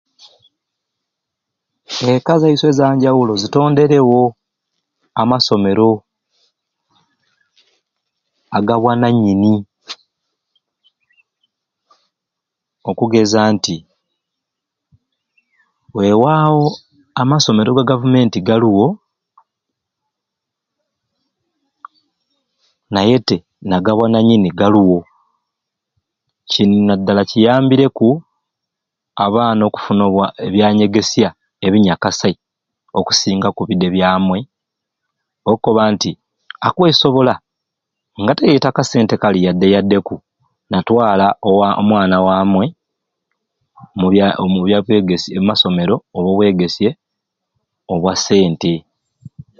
Ekka zeyisye ezanjawulo zitonderewo amasomero aga bwananyini okugeza nti wewawo amasomero ga government galiwo naye te naga bwananyini galuwo kini nadala kiyambireku abaana okufuna ebyanyegesya ebinyakasai okusingaku bidi ebyamwei ebikukoba nti akwesobola yete akasente kali yadde yaddeku natwala owa omwana wamwei omu omubya masomero obwa sente